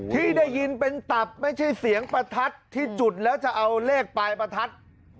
ที่ได้ยินเป็นตับไม่ใช่เสียงประทัดที่จุดแล้วจะเอาเลขปลายประทัด